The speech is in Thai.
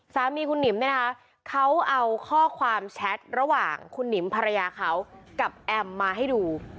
สามีคุณหนิมเนี่ยนะคะเขาเอาข้อความแชทระหว่างคุณหนิมภรรยาเขากับแอมมาให้ดู